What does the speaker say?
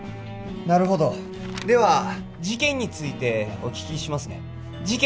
なるほどでは事件についてお聞きしますね事件